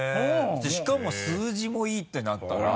しかも数字もいいってなったら。